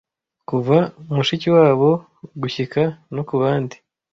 kuva mushikiwabo gushyika no kubandi